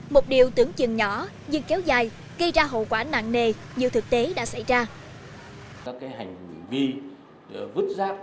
một điều tưởng chừng nhỏ nhưng kéo dài gây ra hậu quả nặng nề như thực tế đã xảy ra